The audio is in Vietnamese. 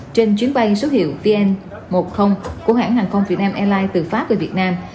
trên chuyến bay số hiệu vn một mươi của hãng hàng không vietnam airlines từ pháp về việt nam